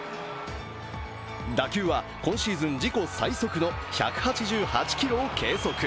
打球は今シーズン自己最速の１８８キロ計測。